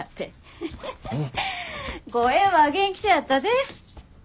声は元気そうやったで。